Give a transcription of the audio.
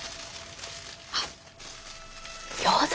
あっ餃子？